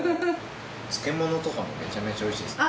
漬物とかもめちゃめちゃ美味しいですね。